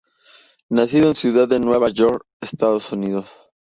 Nacido en Ciudad de Nueva York, Estados Unidos.